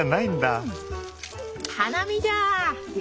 花見じゃ！